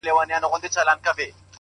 هره لاسته راوړنه له کوچني پیل زېږي,